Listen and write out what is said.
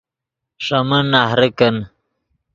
ݰے من نہرے کن